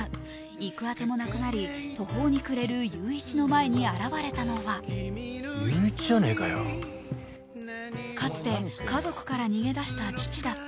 行くあてもなくなり途方に暮れる裕一の前に現れたのはかつて家族から逃げ出した父だった。